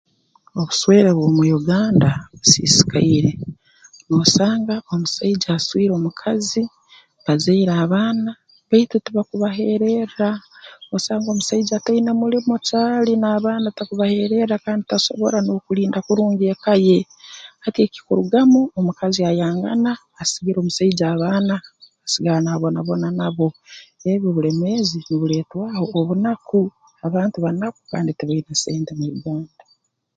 Obuswere bw'omu Uganda busiisikaire noosanga omusaija aswire omukazi bazaire abaana baitu tibakubaheererra osanga omusaija taine mulimo caali n'abaana takubaheererra kandi tasobora n'okulinda kurungi eka ye hati ekikurugamu omukazi ayangana asigira omusaija abaana asigara n'abonabona nabo ebi bulemeezi nubuletwaho obunaku abantu banaku kandi tibaina sente mu Uganda